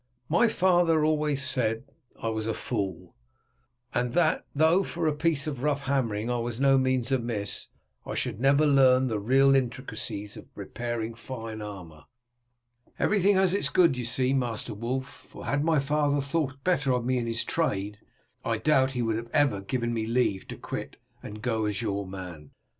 My father always said I was a fool, and that, though for a piece of rough hammering I was by no means amiss, I should never learn the real intricacies of repairing fine armour. Everything has its good, you see, Master Wulf; for had my father thought better of me in his trade, I doubt if he would ever have given me leave to quit it, and go as your man."